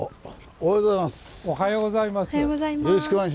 ・おはようございます。